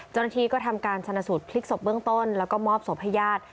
จนทีก็ทำการสรรสุทธิ์พลิกศพเบื้องต้นแล้วก็มอบศพให้ญาติ